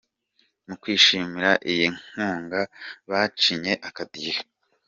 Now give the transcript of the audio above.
Mu kwishimira iyi nkunga bacinye akadiho.